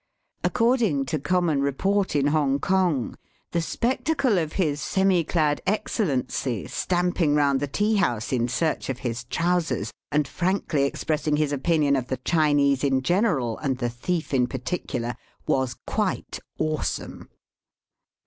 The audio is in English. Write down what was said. According to common report in Hongkong the spectacle of his semi clad Excellency stamping round the tea house in search of his trousers, and frankly expressing his opinion of the Chinese in general, and the thief in particular, was quite awesome.